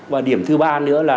và điểm thứ ba nữa là